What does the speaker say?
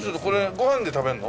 ご飯で食べるの？